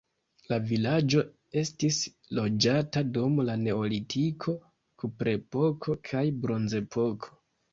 La vilaĝo estis loĝata dum la neolitiko, kuprepoko kaj bronzepoko.